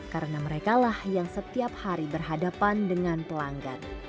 karena merekalah yang setiap hari berhadapan dengan pelanggan